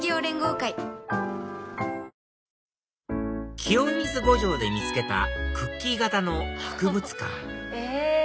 清水五条で見つけたクッキー型の博物館へぇ！